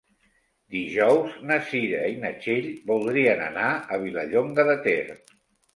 Dijous na Cira i na Txell voldrien anar a Vilallonga de Ter.